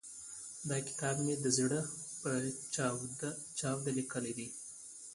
دا کتاب مې د زړه په چاود ليکلی دی.